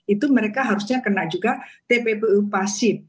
itu mereka harusnya kena juga tppu pasif